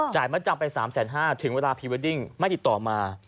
จ่ายมาจำไป๓๕๐๐๐๐บาทถึงเวลาพีเวดดิ้งไม่ติดต่อมา